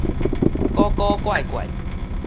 古古怪怪